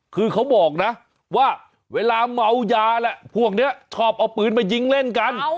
คือเขาบอกนะว่าเวลาเมายาแหละพวกนี้ชอบเอาปืนมายิงเล่นกัน